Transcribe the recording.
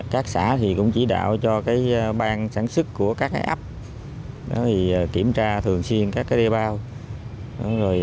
các xã cũng chỉ đạo cho ban sản xuất của các ấp kiểm tra thường xuyên các đeo bao